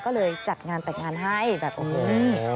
ก็เลยจัดงานแต่งงานให้แบบโอ้โห